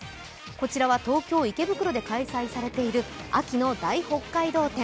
こちらは東京・池袋で開催されている秋の大北海道展。